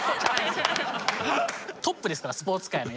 トップですからスポーツ界の。